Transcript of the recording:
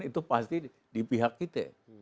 itu pasti di pihak kita